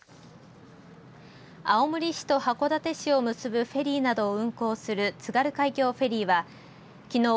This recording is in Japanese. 青森市と函館市を結ぶフェリーなどを運航する津軽海峡フェリーはきのう